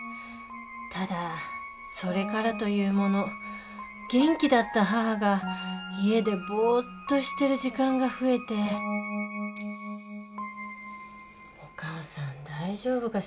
ただそれからというもの元気だった母が家でぼっとしてる時間が増えてお母さん大丈夫かしら。